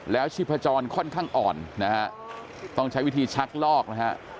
แล้วชีพจรค่อนข้างอ่อนนะฮะต้องใช้วิธีชักลอกนะฮะ